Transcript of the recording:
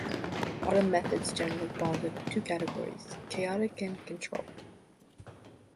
Bottom methods generally fall into two categories: chaotic and controlled.